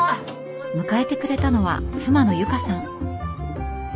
迎えてくれたのは妻の由佳さん。